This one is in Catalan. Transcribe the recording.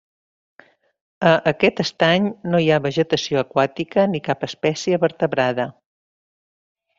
A aquest estany no hi ha vegetació aquàtica ni cap espècie vertebrada.